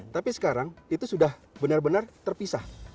tapi sekarang itu sudah benar benar terpisah